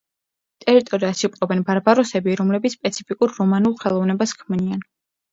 ტერიტორიას იპყრობენ ბარბაროსები, რომლებიც სპეციფიკურ რომანულ ხელოვნებას ქმნიან.